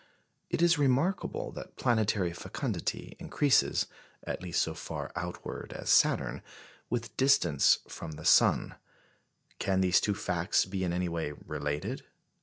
It is remarkable that planetary fecundity increases at least so far outward as Saturn with distance from the sun. Can these two facts be in any way related?